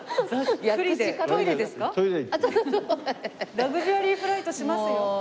ラグジュアリーフライトしますよ。